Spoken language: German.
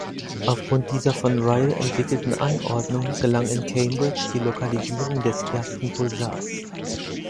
Aufgrund dieser von Ryle entwickelten Anordnung gelang in Cambridge die Lokalisierung des ersten Pulsars.